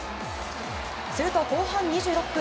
すると後半２６分。